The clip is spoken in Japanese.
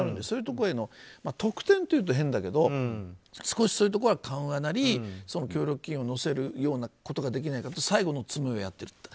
そういうところへの特典というと変だけど少しそういうところは緩和なり協力金を乗せることができないかって最後に詰めをやっている。